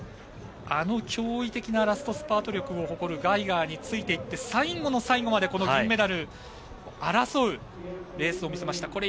あの驚異的なラストスパート力を誇るガイガーについていって最後の最後までこの銀メダル争うレースを見せました。